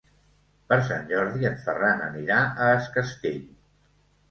Per Sant Jordi en Ferran anirà a Es Castell.